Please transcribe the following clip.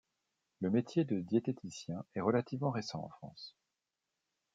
Le métier de diététicien est relativement récent en France.